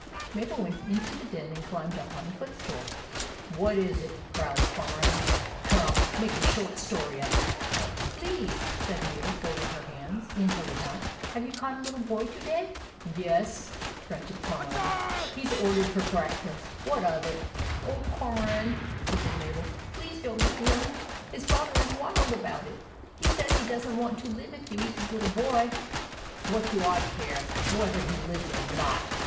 Mabel went into the den, and climbed up on a footstool. "WHAT IS IT?" growled Cormoran. "COME, MAKE A SHORT STORY OF IT." 11 Please," said Mabel, folding her hands in her lap, "have you caught a little boy to day ?"" YES," grunted Cormoran; " HE 'S OR DERED FOR BREAKFAST. WHAT OF IT?" " Oh, Cormoran," pleaded Mabel, " please don't eat him. His father is wild about it. He says he does n't want to live if you eat his little boy." "WHAT DO I CARE WHETHER HE LIVES OR NOT?"